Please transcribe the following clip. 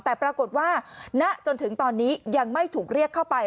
แต่ปรากฏว่าณจนถึงตอนนี้ยังไม่ถูกเรียกเข้าไป